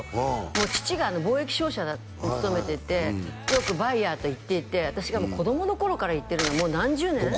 もう父が貿易商社に勤めていてよくバイヤーと行っていて私が子供の頃から行ってるのもう何十年？